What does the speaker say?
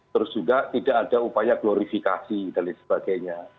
terus juga tidak ada upaya glorifikasi dan lain sebagainya